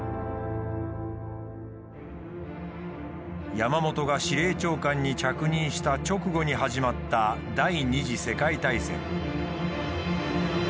山本が司令長官に着任した直後に始まった第二次世界大戦。